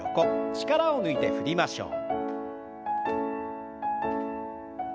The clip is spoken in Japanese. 力を抜いて振りましょう。